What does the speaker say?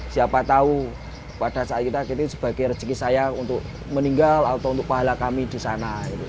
siapa tahu pada saat kita sebagai rezeki saya untuk meninggal atau untuk pahala kami di sana